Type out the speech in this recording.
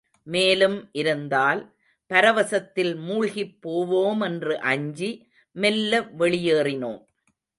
மேலும் இருந்தால், பரவசத்தில் மூழ்கிப் போவோமென்று அஞ்சி, மெல்ல வெளியேறினோம்.